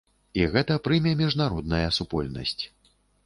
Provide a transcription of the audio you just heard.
І гэта прыме міжнародная супольнасць.